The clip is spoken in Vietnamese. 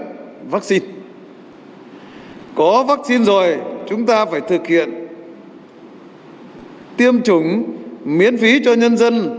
công bằng trong tiếp cận vắc xin có vắc xin rồi chúng ta phải thực hiện tiêm chủng miễn phí cho nhân dân